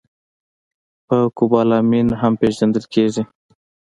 په کوبالامین هم پېژندل کېږي